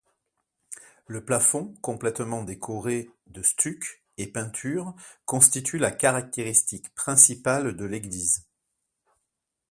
Le plafond complètement décoré de stucs et peintures constitue la caractéristique principale de l'église.